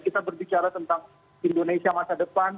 kita berbicara tentang indonesia masa depan